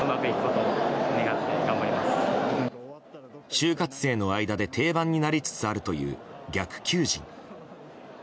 就活性の間で定番になりつつあるという逆求人。